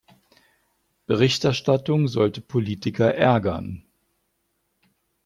Berichterstattung sollte Politiker ärgern.